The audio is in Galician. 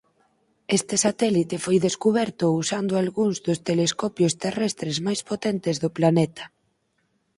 Este satélite foi descuberto usando algúns dos telescopios terrestres máis potentes do planeta.